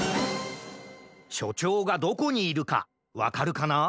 しょちょうがどこにいるかわかるかな？